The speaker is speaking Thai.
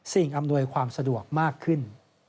อำนวยความสะดวกมากขึ้น